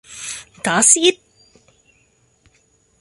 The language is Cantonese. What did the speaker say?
打思噎